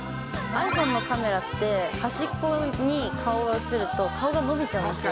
ｉＰｈｏｎｅのカメラって、端っこに顔が写ると、顔が伸びちゃうんですよ。